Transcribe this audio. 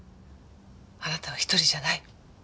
あなたは一人じゃない。